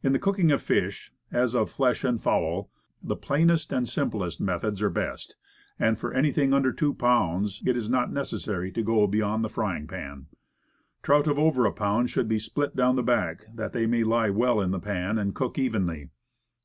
Fish, 109 In cooking fish, as of flesh and fowl, the plainest and simplest methods are best; and for anything under two pounds, it is not necessary to go beyond the frying pan. Trout of over a pound should be split down the back, that they may be well in the pan, and cook evenly.